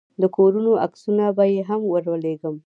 د کورونو عکسونه به يې هم ورولېږم.